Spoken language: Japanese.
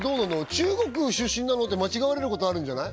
中国出身なの？って間違われることあるんじゃない？